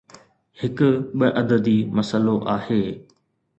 هڪ ٻه عددي مسئلو آهي.